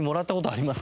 あります？